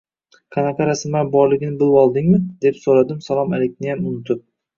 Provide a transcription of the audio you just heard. – Qanaqa rasmlar borligini bilvoldingmi? – deb so‘radim, salom-alikniyam unutib